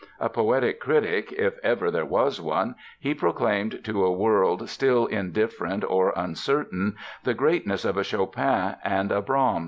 A poetic critic, if ever there was one, he proclaimed to a world, still indifferent or uncertain, the greatness of a Chopin and a Brahms.